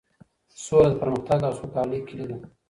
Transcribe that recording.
سوله د پرمختګ او سوکالۍ کيلي ده.